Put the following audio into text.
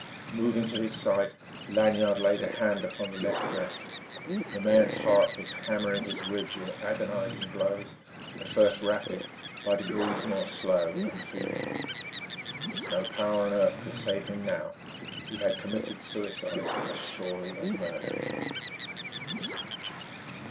Moving to his side, Lanyard laid a hand upon the left breast. The man's heart was hammering his ribs with agonizing blows, at first rapid, by degrees more slow and feeble. No power on earth could save him now: he had committed suicide as surely as murder.